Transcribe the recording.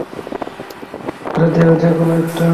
আরে দেও যেকোনো একটা।